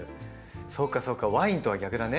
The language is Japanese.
そうかそうかワインとは逆だね。